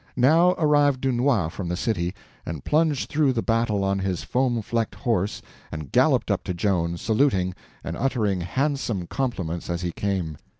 Now arrived Dunois from the city, and plunged through the battle on his foam flecked horse and galloped up to Joan, saluting, and uttering handsome compliments as he came.